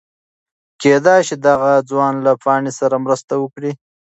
کېدی شي دغه ځوان له پاڼې سره مرسته وکړي.